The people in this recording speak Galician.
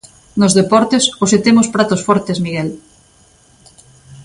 Nos deportes, hoxe temos pratos fortes, Miguel.